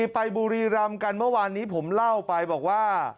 ไปบุรีรำกันเมื่อวานนี้ผมเล่าไปบอกว่า